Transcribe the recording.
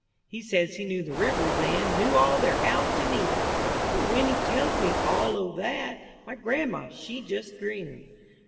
He says he knew the rivers, an' Knew all their outs an' ins; But when he tells me all o' that, My grandma, she just grins.